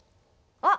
あっ！